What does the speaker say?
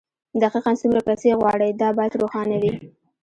دقيقاً څومره پيسې غواړئ دا بايد روښانه وي.